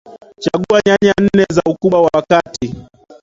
Chagua nyanya nne za ukubwa wa kati